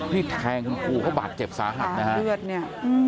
ที่แทงครูเขาบาดเจ็บสาหัสนะครับ